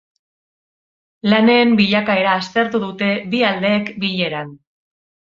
Lanen bilakaera aztertu dute bi aldeek bileran.